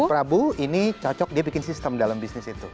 prabu ini cocok dia bikin sistem dalam bisnis itu